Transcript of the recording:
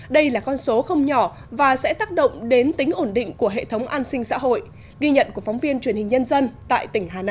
đây là con số không nhỏ và sẽ tác động đến tính ổn định của hệ thống an sinh xã hội